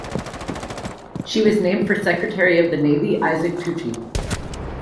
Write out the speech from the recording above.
She was named for Secretary of the Navy Isaac Toucey.